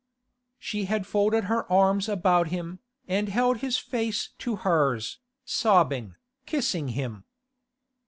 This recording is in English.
She had folded her arms about him, and held his face to hers, sobbing, kissing him.